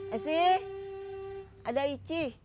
esi ada ici